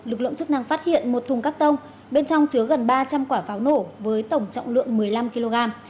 lực lượng chức năng phát hiện một thùng các tông bên trong chứa gần ba trăm linh quả pháo nổ với tổng trọng lượng một mươi năm kg